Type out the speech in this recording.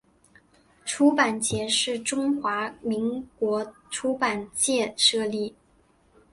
出版节是中华民国出版界设立。